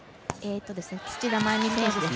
土田真由美選手ですね。